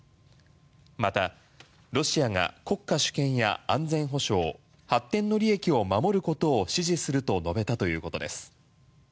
また、ロシアが国家主権や安全保障発展の利益を守ることを支持すると述べたということです。